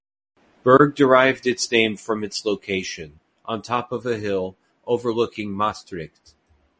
Berg derived its name from its location, on top of a hill, overlooking Maastricht.